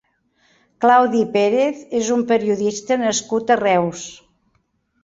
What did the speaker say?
Claudi Pérez és un periodista nascut a Reus.